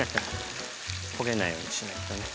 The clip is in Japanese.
焦げないようにしないとね。